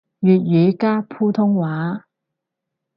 粵語加普通話